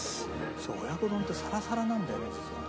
そう親子丼ってサラサラなんだよね実はね。